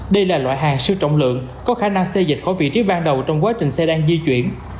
đây là loại hàng siêu trọng lượng có khả năng xây dịch khỏi vị trí ban đầu trong quá trình xe đang di chuyển